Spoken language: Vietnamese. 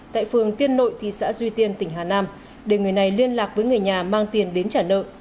tại phường tiên nội thị xã duy tiên tỉnh hà nam để người này liên lạc với người nhà mang tiền đến trả nợ